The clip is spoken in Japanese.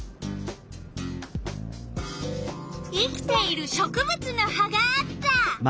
生きている植物の葉があった。